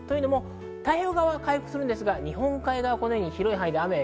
太平洋側は回復するんですが、日本海側は広い範囲で雨。